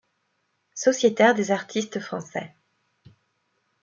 Sociétaire des Artistes Français.